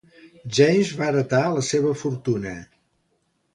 James va heretar la seva fortuna.